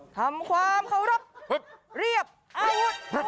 ทำความเค้ารับเรียบอาหยุด